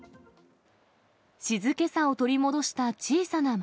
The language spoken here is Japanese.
静けさを取り戻した小さな町。